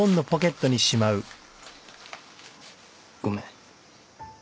ごめん。